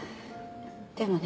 でもね